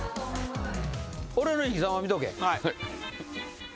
俺の生きざま見とけ。